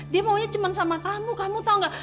dia maunya cuma sama kamu kamu tahu enggak